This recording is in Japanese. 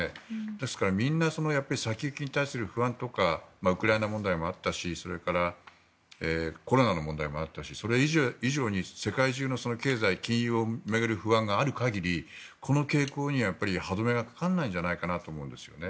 ですから、みんな先行きに対する不安とかウクライナ問題もあったしそれからコロナの問題もあったしそれ以上に世界中の経済金融を巡る不安がある限りこの傾向には歯止めがかからないんじゃないかと思うんですよね。